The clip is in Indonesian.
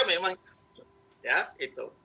p tiga memang itu